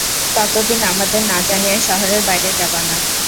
ততদিন আমাদের না জানিয়ে শহরের বাইরে যাবা না।